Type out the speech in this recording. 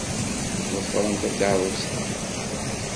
Ḍefṛem takeṛṛust-a.